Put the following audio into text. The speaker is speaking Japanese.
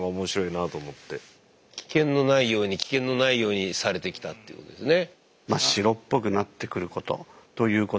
危険のないように危険のないようにされてきたっていうことですね。